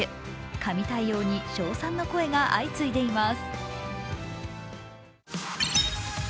神対応に称賛の声が相次いでいます。